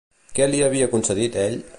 Què li havia concedit ell?